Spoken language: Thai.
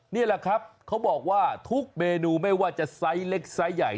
นี่แหละครับเขาบอกว่าทุกเมนูไม่ว่าจะไซส์เล็กไซส์ใหญ่